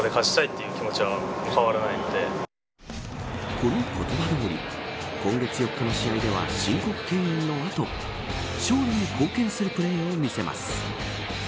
この言葉どおり今月４日の試合では申告敬遠の後勝利に貢献するプレーを見せます。